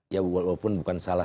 ya walaupun bukan salah